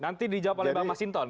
nanti dijawab oleh mbak mas hinton